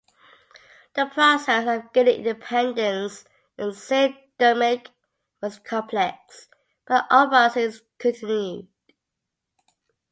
The process of gaining independence in Saint-Domingue was complex, but uprisings continued.